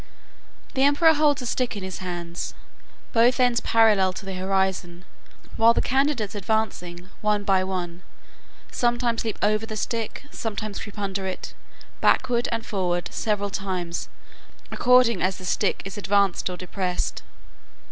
The emperor holds a stick in his hands, both ends parallel to the horizon, while the candidates advancing, one by one, sometimes leap over the stick, sometimes creep under it, backward and forward, several times, according as the stick is advanced or depressed.